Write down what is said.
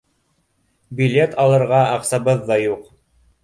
Билет алырға аҡсабыҙ ҙа юҡ.